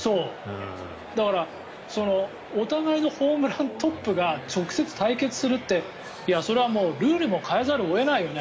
だから、お互いのホームラントップが直接対決するってそれはもうルールも変えざるを得ないよね